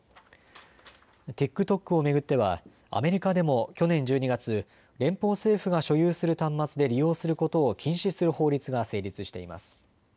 ＴｉｋＴｏｋを巡ってはアメリカでも去年１２月、連邦政府が所有する端末で利用することを禁止する法律が成立しています。